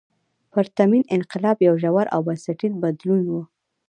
پرتمین انقلاب یو ژور او بنسټیز بدلون و.